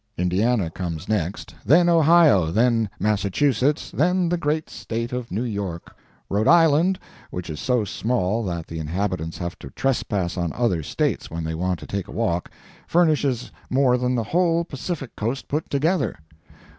Indiana comes next; then Ohio, then Massachusetts, and then the great State of New York! Rhode Island, which is so small that the inhabitants have to trespass on other States when they want to take a walk, furnishes more than the whole Pacific Coast put together.